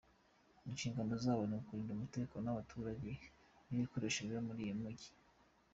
Inshingano zabo ni ukurinda umutekano w’abaturage n’ibikoresho biba muri uyo mujyi”.